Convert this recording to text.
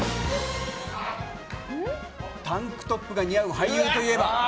タンクトップが似合う俳優といえば？